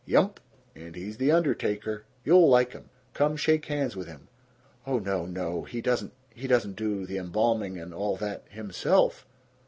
"Yump, and he's the undertaker. You'll like him. Come shake hands with him." "Oh no, no! He doesn't he doesn't do the embalming and all that himself?